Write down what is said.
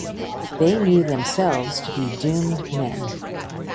They knew themselves to be doomed men.